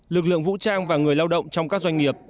lực lượng vũ trang và người lao động trong các doanh nghiệp